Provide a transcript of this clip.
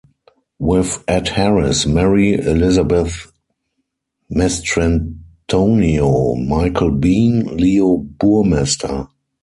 With Ed Harris, Mary Elizabeth Mastrantonio, Michael Biehn, Leo Burmester.